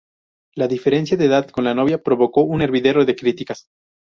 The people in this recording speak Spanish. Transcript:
La diferencia de edad con la novia provocó un hervidero de críticas.